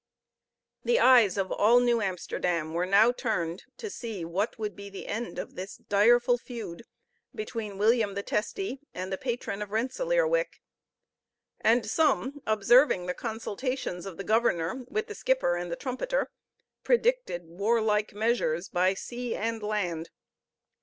The eyes of all New Amsterdam were now turned to see what would be the end of this direful feud between William the Testy and the patron of Rensellaerwick; and some, observing the consultations of the governor with the skipper and the trumpeter, predicted warlike measures by sea and land.